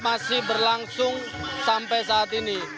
masih berlangsung sampai saat ini